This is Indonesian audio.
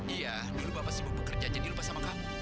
iya dulu bapak sibuk bekerja jadi lupa sama kamu